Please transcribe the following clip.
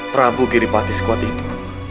prabu giripati sekuat itu